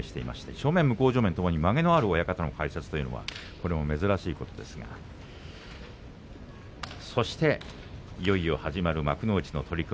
正面、向正面ともにまげがある親方の解説というのは珍しいことですけれどもいよいよ始まる幕内の取組。